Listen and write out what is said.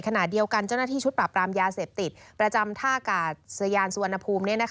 ขณะเดียวกันเจ้าหน้าที่ชุดปราบรามยาเสพติดประจำท่ากาศยานสุวรรณภูมิ